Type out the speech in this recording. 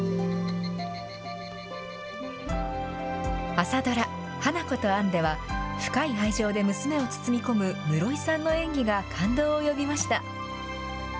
朝ドラ、花子とアンでは、深い愛情で娘を包み込む室井さんの演技が感動を呼びました。